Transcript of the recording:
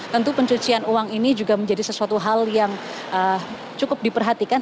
tentu pencucian uang ini juga menjadi sesuatu hal yang cukup diperhatikan